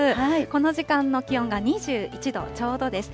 この時間の気温が２１度ちょうどです。